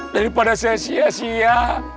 daripada saya sia sia